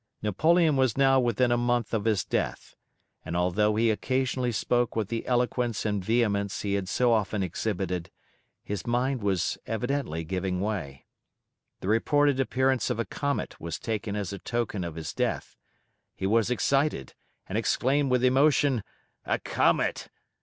Napoleon was now within a month of his death, and although he occasionally spoke with the eloquence and vehemence he had so often exhibited, his mind was evidently giving way. The reported appearance of a comet was taken as a token of his death. He was excited, and exclaimed with emotion, "A comet!